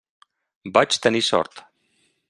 Vaig tenir sort.